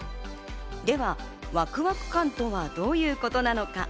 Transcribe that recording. ではワクワク感とはどういうことなのか？